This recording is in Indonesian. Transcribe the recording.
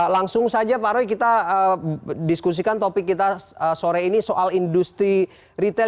langsung saja pak roy kita diskusikan topik kita sore ini soal industri retail